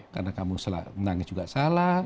karena kamu menangis juga salah